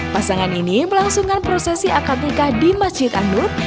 pasangan ini melangsungkan prosesi akad nikah di masjid anur